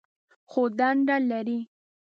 خو دنده لري.